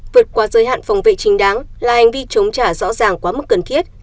vượt qua giới hạn phòng vệ chính đáng là hành vi chống trả rõ ràng quá mức cần thiết